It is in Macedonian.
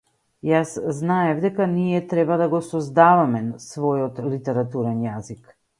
Јас знаев дека ние треба да го создаваме својот литературен јазик.